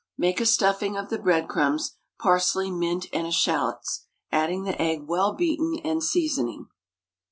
Make a stuffing of the breadcrumbs, parsley, mint, and eschalots, adding the egg well beaten, and seasoning.